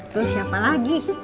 tuh siapa lagi